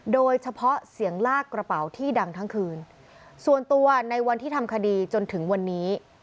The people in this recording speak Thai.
โดยเฉพาะเสียงลากกระเป๋าที่ดังทั้งคืนส่วนตัวในวันที่ทำคดีจนถึงวันนี้